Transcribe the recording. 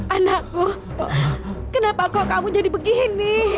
anakku kenapa kok kamu jadi begini